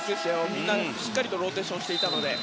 みんなしっかりローテーションしていたので。